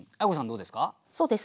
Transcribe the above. どうですか？